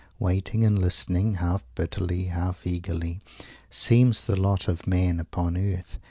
Waiting and listening, half bitterly, half eagerly, seems the lot of man upon earth!